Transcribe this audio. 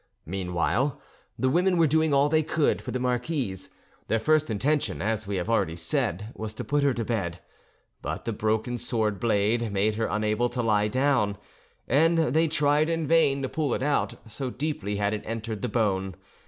Meanwhile the women were doing all they could for the marquise. Their first intention, as we have already said, was to put her to bed, but the broken sword blade made her unable to lie down, and they tried in vain to pull it out, so deeply had it entered the bone.